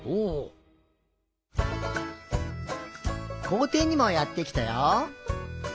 こうていにもやってきたよ。